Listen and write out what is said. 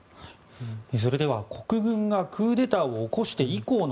それでは国軍がクーデターを起こして以降の